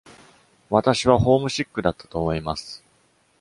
私はホームシックだったと思います。